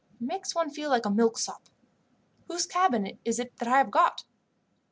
"It makes one feel like a milksop. Whose cabin is it I have got?"